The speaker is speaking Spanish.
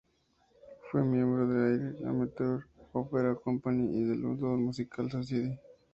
Fue miembro de la Ayr Amateur Opera Company y de la Loudoun Musical Society.